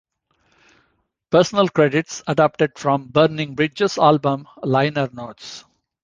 Personnel credits adapted from "Burning Bridges" album liner notes.